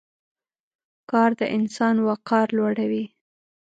کار د انسان وقار لوړوي.